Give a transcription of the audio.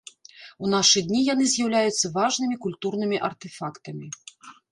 У нашы дні яны з'яўляюцца важнымі культурнымі артэфактамі.